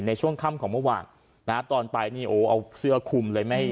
ในช่วงค่ำของเมื่อวานนะตอนไปนี่โอ้เอาเสื้อคุมเลยไม่